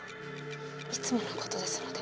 いつもの事ですので。